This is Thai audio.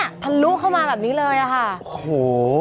เขายืนเนี่ยทะลุเข้ามาแบบนี้เลยอะค่ะโอ้โห